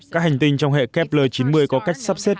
các hành tinh trong hệ kepl chín mươi có cách sắp xếp